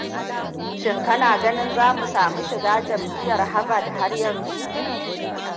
Shin kana ganin za samu shigab jamiya Harvard haryanzu?